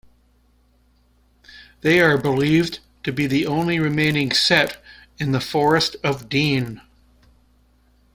They are believed to be the only remaining set in the Forest of Dean.